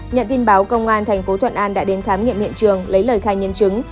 nhận tin báo công an thành phố thuận an đã đến khám nghiệm hiện trường lấy lời khai nhân chứng